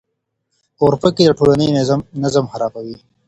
اورپکي د ټولنې نظم خرابوي.